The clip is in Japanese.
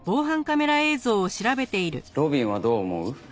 路敏はどう思う？